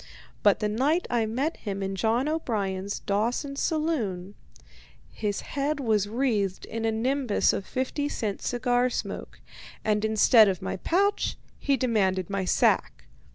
But the night I met him in John O'Brien's Dawson saloon, his head was wreathed in a nimbus of fifty cent cigar smoke, and instead of my pouch he demanded my sack.